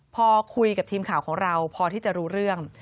พอคุยกับทีมข่าวของเราพอที่จะรู้เรื่อง